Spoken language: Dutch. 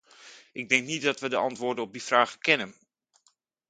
Ik denk niet dat we de antwoorden op die vragen kennen.